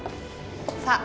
さあ！